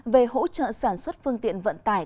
về hỗ trợ sản xuất phương tiện vận tải